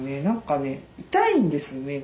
何かね痛いんですよ